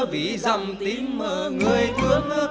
vì dầm tim người thương